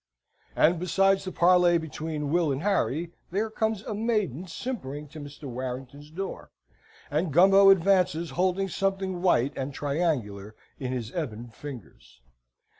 And, besides the parley between Will and Harry, there comes a maiden simpering to Mr. Warrington's door, and Gumbo advances, holding something white and triangular in his ebon fingers.